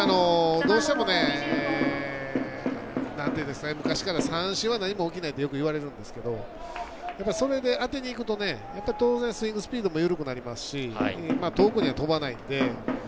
どうしても昔から三振は何も起きないってよく言われるんですけどそれで当てにいくと当然スイングスピードも緩くなりますし遠くには飛ばないので。